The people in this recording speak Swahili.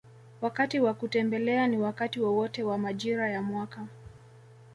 Wakati wa kutembelea ni wakati wowote wa majira ya mwaka